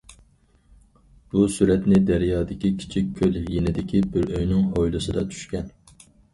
بۇ سۈرەتنى دەريادىكى« كىچىك كۆل» يېنىدىكى بىر ئۆينىڭ ھويلىسىدا چۈشكەن.